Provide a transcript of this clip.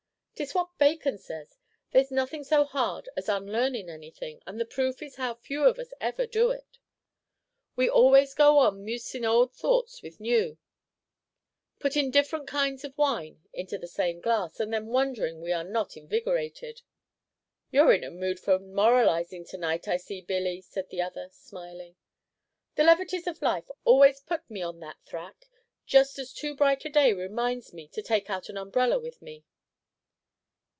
"'Tis what Bacon says, 'There's nothing so hard as unlearnin' anything;' and the proof is how few of us ever do it! We always go on mucin' old thoughts with new, puttin' different kinds of wine into the same glass, and then wonderin' we are not invigorated!" "You 're in a mood for moralizing to night, I see, Billy," said the other, smiling. "The levities of life always puts me on that thrack, just as too bright a day reminds me to take out an umbrella with me."